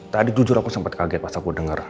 tadi jujur aku sempat kaget pas aku dengar